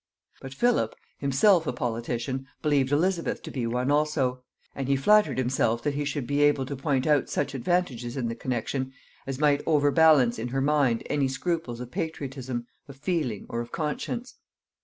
But Philip, himself a politician, believed Elizabeth to be one also; and he flattered himself that he should be able to point out such advantages in the connexion as might over balance in her mind any scruples of patriotism, of feeling, or of conscience.